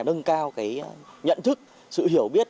để nâng cao nhận thức sự hiểu biết